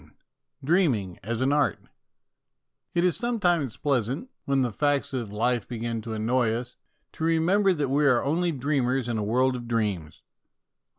IV DREAMING AS AN ART IT is sometimes pleasant, when the facts of life begin to annoy us, to remember that we are only dreamers in a world of dreams.